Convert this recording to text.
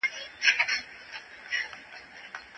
ما به دا خلک ډېر بختور بلل.